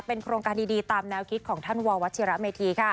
เป็นโครงการดีตามแนวคิดของท่านววเมธี